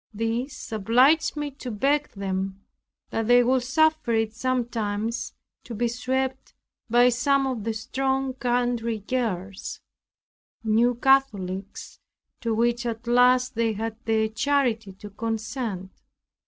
This obliged me to beg them, that they would suffer it sometimes to be swept by some of the strong country girls, New Catholics, to which at last they had the charity to consent.